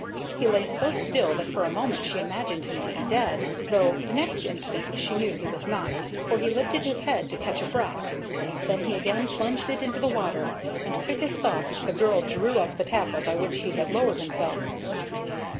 He lay so still that for a moment she imagined him to be dead, though the next instant she knew he was not, for he lifted his head to catch a breath. Then he again plunged it into the water, and quick as thought the girl drew up the tackle by which he had lowered himself.